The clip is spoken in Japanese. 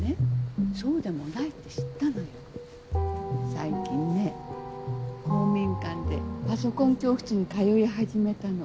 最近ね公民館でパソコン教室に通い始めたの。